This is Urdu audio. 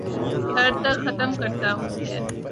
خر تک ختم کرتا ہے